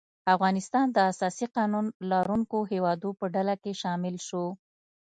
افغانستان د اساسي قانون لرونکو هیوادو په ډله کې شامل شو.